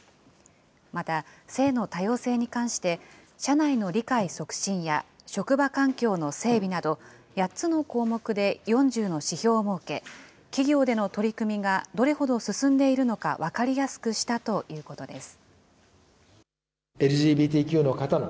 また、性の多様性に関して、社内の理解促進や職場環境の整備など、８つの項目で４０の指標を設け、企業での取り組みがどれほど進んでいるのか、分かりやすくしたということです。